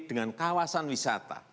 dengan kawasan wisata